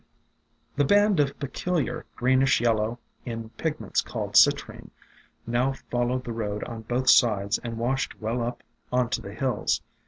AFTERMATH 331 The band of peculiar greenish yellow, in pig ments called citrine, now followed the road on both sides and washed well up on to the hills.